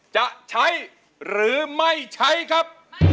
จะใช้หรือไม่ใช้ครับ